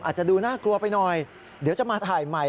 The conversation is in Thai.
อาจจะดูน่ากลัวไปหน่อยเดี๋ยวจะมาถ่ายใหม่